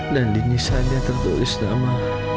dan di kisahnya tertulis nama